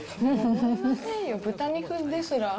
思いませんよ、豚肉ですら。